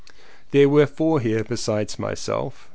There were four here besides myself.